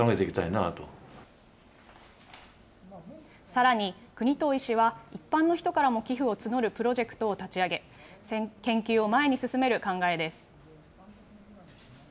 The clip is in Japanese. さらに、國頭医師は一般の人からも寄付を募るプロジェクトを立ち上げ、研究を前に進める考えです。